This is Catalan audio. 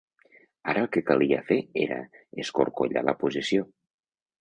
Ara el que calia fer era escorcollar la posició